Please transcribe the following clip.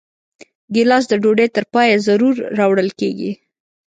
ګیلاس د ډوډۍ تر پایه ضرور راوړل کېږي.